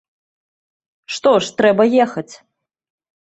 Што ж, трэба ехаць.